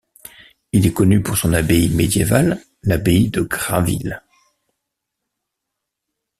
Il est connu pour son abbaye médiévale, l'abbaye de Graville.